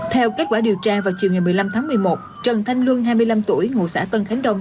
theo kết quả điều tra vào chiều ngày một mươi năm tháng một mươi một trần thanh luân hai mươi năm tuổi ngụ xã tân khánh đông